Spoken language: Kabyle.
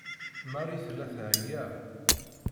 Marie tella teɛya.